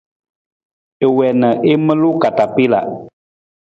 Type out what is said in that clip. I wii na i maluu katapila.